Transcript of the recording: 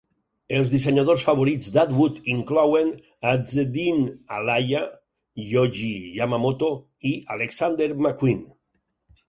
Els dissenyadors favorits d'Atwood inclouen Azzedine Alaia., Yohji Yamamoto i Alexander McQueen.